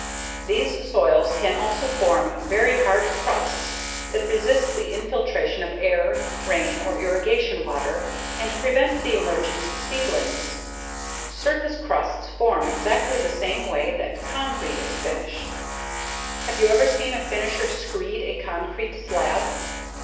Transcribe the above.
These soils can also form very hard crusts that resist the infiltration of air, rain, or irrigation water and prevent the emergence of seedlings. Surface crusts form exactly the same way that concrete is finished. Have you ever seen a finisher screed a concrete slab?